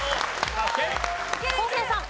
昴生さん。